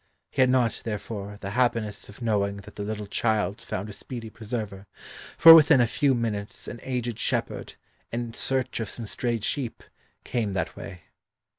He had not, therefore, the happiness of knowing that the little child found a speedy preserver, for within a few minutes an aged shepherd, in search of some strayed sheep, came that way.